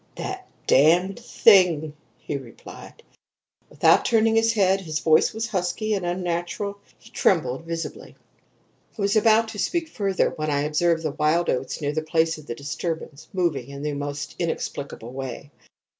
"'That Damned Thing!' he replied, without turning his head. His voice was husky and unnatural. He trembled visibly. "I was about to speak further, when I observed the wild oats near the place of the disturbance moving in the most inexplicable way.